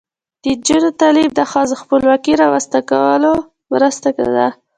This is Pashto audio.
د نجونو تعلیم د ښځو خپلواکۍ رامنځته کولو مرسته ده.